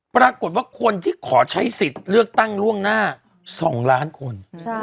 ปรากฏว่าคนที่ขอใช้สิทธิ์เลือกตั้งล่วงหน้า๒ล้านคน